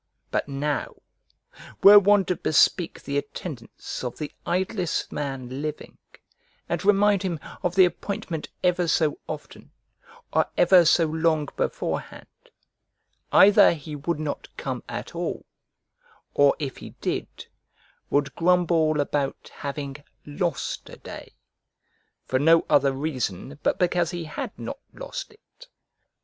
But now, were one to bespeak the attendance of the idlest man living, and remind him of the appointment ever so often, or ever so long beforehand; either he would not come at all, or if he did would grumble about having "lost a day!" for no other reason but because he had not lost it.